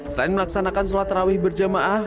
selain melaksanakan sholat rawih berjamaah